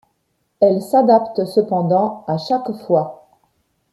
Elle s'adapte cependant à chaque fois.